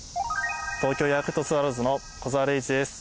東京ヤクルトスワローズの小澤怜史です。